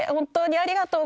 ありがとう。